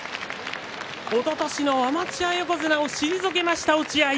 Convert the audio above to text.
おととしのアマチュア横綱を退けました、落合。